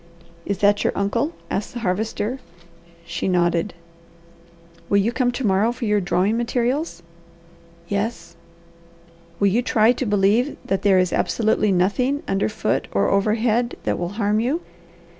"Is that your uncle?" asked the Harvester. She nodded. "Will you come to morrow for your drawing materials?" "Yes." "Will you try to believe that there is absolutely nothing, either underfoot or overhead, that will harm you?"